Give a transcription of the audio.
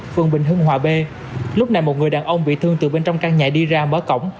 phường bình hưng hòa b lúc này một người đàn ông bị thương từ bên trong căn nhà đi ra mở cổng